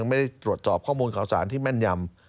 ไม่ได้ตรวจสอบข้อมูลข่าวสารที่แม่นยำ